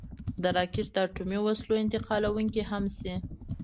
راکټ د اټومي وسلو انتقالونکی هم شي